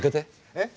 えっ？